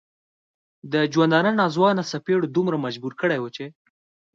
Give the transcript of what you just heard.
د ژوندانه ناځوانه څپېړو دومره مجبور کړی و.